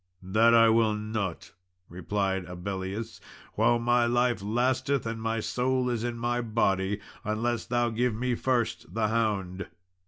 "That will I not," replied Abellius, "while my life lasteth and my soul is in my body, unless thou give me first the hound."